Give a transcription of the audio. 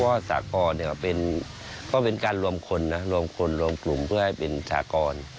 เพราะว่าสากรก็เป็นการรวมคนนะรวมคนรวมกลุ่มเพื่อให้เป็นสากร